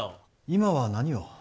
今は何を？